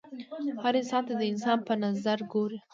هر انسان ته د انسان په نظر ګوره